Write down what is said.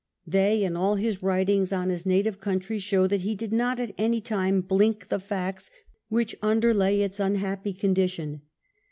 They, and all his writings on his native country show that he did not at any time blink the facts which under lay its unhappy condition.